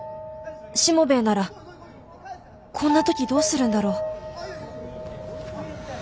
しもべえならこんな時どうするんだろう。